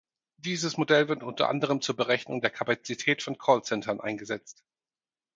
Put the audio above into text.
Dieses Modell wird unter anderem zur Berechnung der Kapazität von Callcentern eingesetzt.